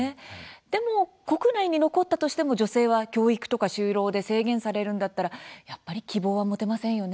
でも国内に残ったとしても女性は教育や就労に制限されるのであれば希望は持てませんよね。